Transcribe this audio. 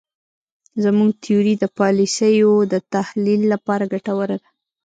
زموږ تیوري د پالیسیو د تحلیل لپاره ګټوره ده.